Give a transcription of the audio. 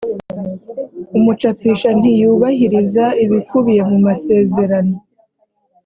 umucapisha ntiyubahiriza ibikubiye mumasezerano.